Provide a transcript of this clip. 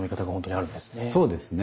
そうですね。